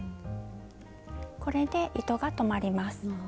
これで糸がとまります。